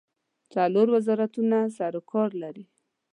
څلور وزارتونه سروکار لري.